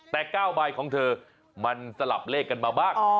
แต่๙ใบของเธอมันสลับเลขกันมาบ้าง